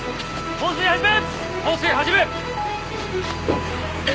放水始め！